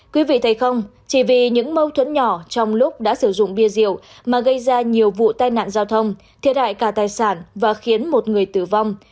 quý vị thấy không chỉ vì những mâu thuẫn nhỏ trong lúc đã sử dụng bia rượu mà gây ra nhiều vụ tai nạn giao thông thiệt hại cả tài sản và khiến một người tử vong